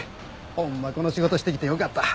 ほんまこの仕事してきてよかった。